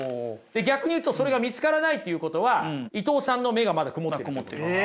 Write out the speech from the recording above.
逆に言うとそれが見つからないっていうことは伊藤さんの目がまだ曇ってるということです。